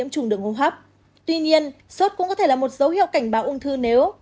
suốt cũng có thể là một dấu hiệu cảnh báo ung thư nếu